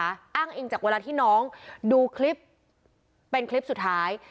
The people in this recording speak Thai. อ้างอิงจากเวลาที่น้องดูคลิปเป็นคลิปสุดท้าย